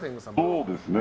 そうですね。